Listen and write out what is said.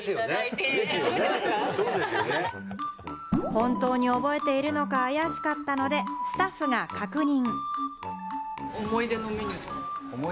本当に覚えているのか怪しかったので、スタッフが確認。